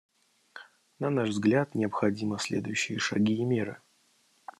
На наш взгляд, необходимы следующие шаги и меры.